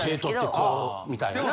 手取ってこうみたいなな？